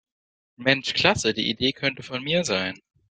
Mensch Klasse, die Idee könnte von mir sein.